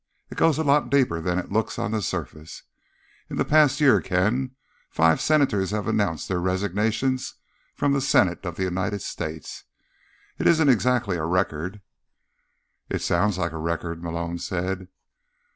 "It goes a lot deeper than it looks on the surface. In the past year, Ken, five senators have announced their resignations from the Senate of the United States. It isn't exactly a record—" "It sounds like a record," Malone said.